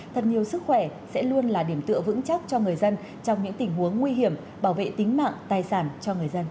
thật nhiều sức khỏe sẽ luôn là điểm tựa vững chắc cho người dân trong những tình huống nguy hiểm bảo vệ tính mạng tài sản cho người dân